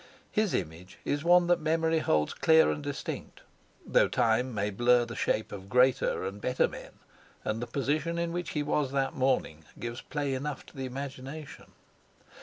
His image is one that memory holds clear and distinct, though time may blur the shape of greater and better men, and the position in which he was that morning gives play enough to the imagination.